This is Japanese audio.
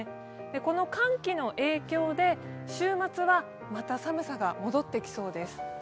この寒気の影響で週末は、また寒さが戻ってきそうです。